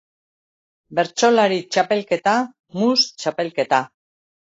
Bertsolari txapelketa, mus txapelketa.